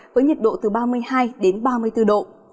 với nhiệt độ từ ba mươi hai đến ba mươi bốn độ